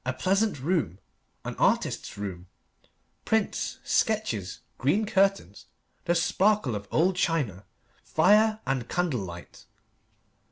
A pleasant room an artist's room prints, sketches, green curtains, the sparkle of old china, fire and candle light.